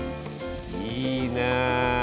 いいね。